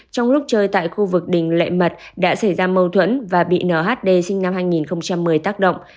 trong lúc chơi tại khu vực đình lệ mật đã xảy ra mâu thuẫn và bị nhd sinh năm hai nghìn một mươi tác động